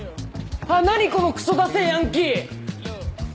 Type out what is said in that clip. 何このクソダセえヤンキー。